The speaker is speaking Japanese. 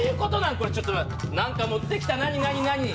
これちょっと何か持ってきた何何何？